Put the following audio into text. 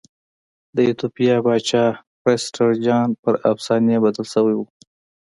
د ایتوپیا پاچا پرسټر جان پر افسانې بدل شوی و.